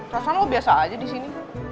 rasanya lo biasa aja disini